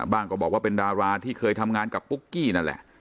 ก็บอกว่าเป็นดาราที่เคยทำงานกับปุ๊กกี้นั่นแหละ